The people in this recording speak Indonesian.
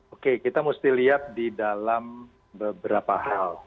oke kita mesti lihat di dalam beberapa hal